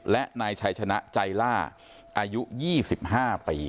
และนายชัยชนะใจล่าอายุ๒๕ปี